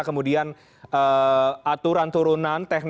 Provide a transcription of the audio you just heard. kemudian aturan turunan